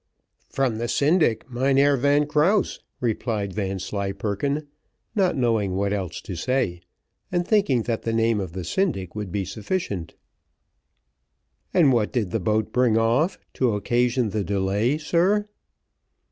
"From the syndic's, Mynheer Van Krause," replied Vanslyperken, not knowing what else to say, and thinking that the name of the syndic would be sufficient. "And what did the boat bring off, to occasion the delay, sir?"